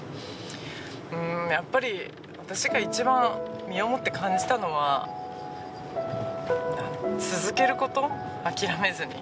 うーんやっぱり私が一番身をもって感じたのは続けること諦めずに。